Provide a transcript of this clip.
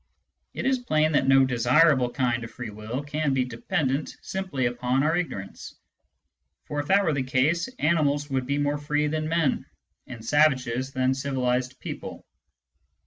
It is plain that no desirable kind of free will can be dependent simply upon our ignorance ; for if that were the case, animals would be more free than men, and savages than civilised people.